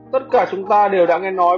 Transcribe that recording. tất cả chúng ta đều đã nghe nói